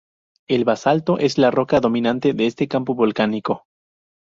El basalto es la roca dominante de este campo volcánico.